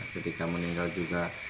ketika meninggal juga